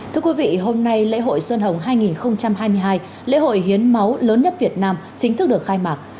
thưa quý vị hôm nay lễ hội xuân hồng hai nghìn hai mươi hai lễ hội hiến máu lớn nhất việt nam chính thức được khai mạc